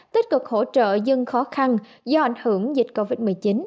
tích cực hỗ trợ dân khó khăn do ảnh hưởng dịch covid một mươi chín